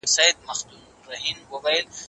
صنعتکارانو نوي فابریکې جوړولې.